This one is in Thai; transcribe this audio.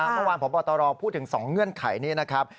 เมื่อวานพบบพูดถึง๒เงื่อนไขนี้นะครับ